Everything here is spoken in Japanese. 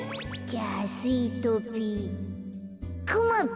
じゃあスイートピーくまぴ！